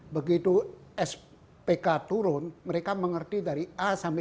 begitu spk turun mereka mengerti dari a sampai